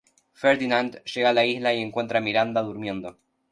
Ferdinand llega a la isla y encuentra a Miranda durmiendo.